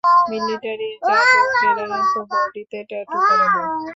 মিলিটারির যাজকেরা তো বডিতে ট্যাটু করে না।